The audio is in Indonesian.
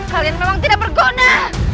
kalian memang tidak bergona